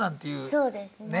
そうですね。